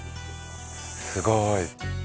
すごい。